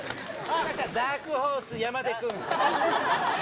ダークホース山出くん。